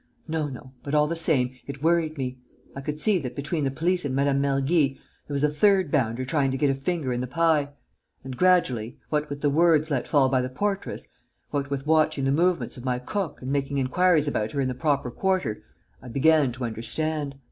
No, no! But, all the same, it worried me. I could see that, between the police and Mme. Mergy, there was a third bounder trying to get a finger in the pie. And, gradually, what with the words let fall by the portress, what with watching the movements of my cook and making inquiries about her in the proper quarter, I began to understand.